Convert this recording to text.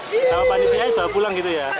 kalau panitia dibawa pulang gitu ya